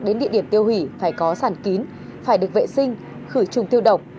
đến địa điểm tiêu hủy phải có sàn kín phải được vệ sinh khử chùng tiêu độc